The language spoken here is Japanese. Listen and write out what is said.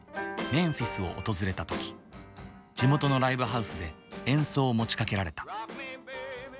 メンフィスを訪れた時地元のライブハウスで演奏を持ちかけられた。